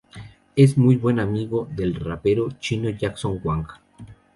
Es muy buen amigo del rapero chino Jackson Wang.